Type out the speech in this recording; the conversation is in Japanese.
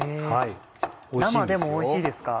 生でもおいしいですか？